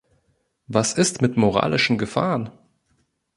Was ist mit moralischen Gefahren?